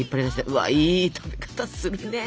うわいい取り方するね。